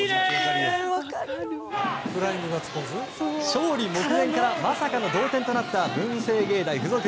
勝利目前からまさかの同点となった文星芸大附属。